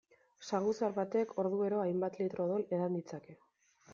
Saguzar batek orduero hainbat litro odol edan ditzake.